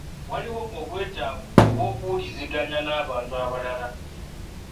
Waliwo obwetaavu obw’okuwuliziganya n’abantu abalala.